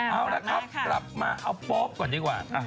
เอาละครับกลับมาเอาโป๊ปก่อนดีกว่า